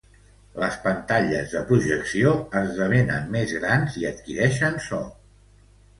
Les pantalles de projecció esdevenen més grans i adquireixen so.